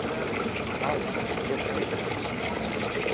Ай, лепш не трэба!